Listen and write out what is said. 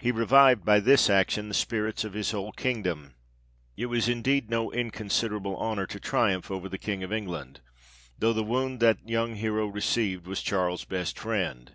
He revived by this action the spirits of his whole kingdom. It was indeed no inconsiderable honour to triumph over the King of England ; though the wound that young hero received was Charles's best friend.